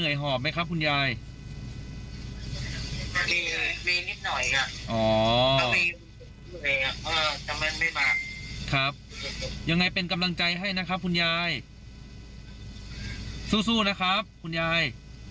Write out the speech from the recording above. ยังไงเป็นกำลังใจให้นะครับคุณยายสู้นะครับคุณยาย